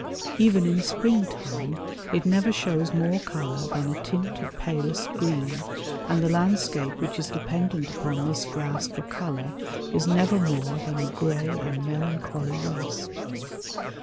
Even in spring time it never shows more color than a tint of palest green, and the landscape which is dependent upon this grass for color is never more than "a gray and melancholy waste."